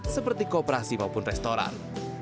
seperti kooperasi maupun restoran